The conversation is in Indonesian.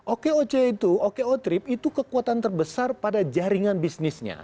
okoc itu oko trip itu kekuatan terbesar pada jaringan bisnisnya